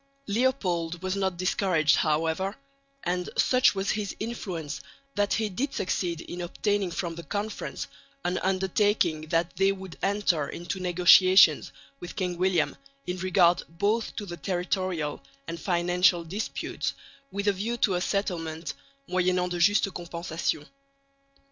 Leopold was not discouraged, however; and such was his influence that he did succeed in obtaining from the Conference an undertaking that they would enter into negotiations with King William in regard both to the territorial and financial disputes with a view to a settlement, moyennant de justes compensations.